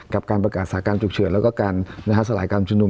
กับการประกาศสถานการณ์ฉุกเฉินแล้วก็การสลายการชุมนุม